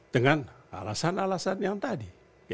dengan alasan alasan yang tadi